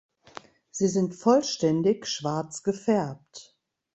Sie sind vollständig schwarz gefärbt.